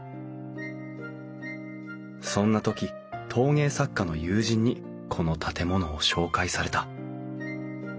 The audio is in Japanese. そんな時陶芸作家の友人にこの建物を紹介された。